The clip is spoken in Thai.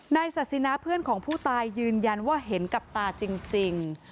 ศาสินะเพื่อนของผู้ตายยืนยันว่าเห็นกับตาจริง